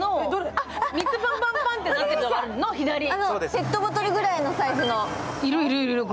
ペットボトルくらいのサイズの。